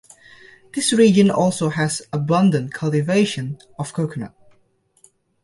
This region also has abundant cultivation of coconut.